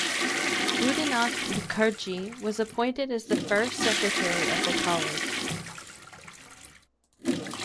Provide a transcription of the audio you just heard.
Buddinath Mukherjee was appointed as the first Secretary of the college.